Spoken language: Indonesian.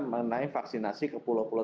mengenai vaksinasi ke pulau pulau